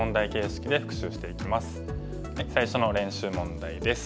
最初の練習問題です。